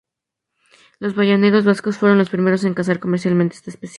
Los balleneros vascos fueron los primeros en cazar comercialmente esta especie.